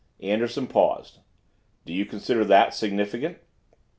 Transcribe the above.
Anderson paused. "Do you consider that significant?"